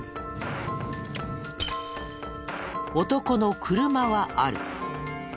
男の車はある。